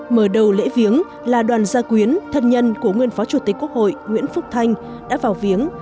mở đầu lễ viếng là đoàn gia quyến thân nhân của nguyên phó chủ tịch quốc hội nguyễn phúc thanh đã vào viếng